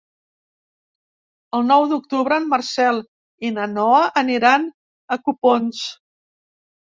El nou d'octubre en Marcel i na Noa aniran a Copons.